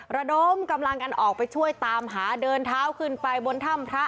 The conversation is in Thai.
ระดมกำลังกันออกไปช่วยตามหาเดินเท้าขึ้นไปบนถ้ำพระ